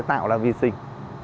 tạo ra vi sinh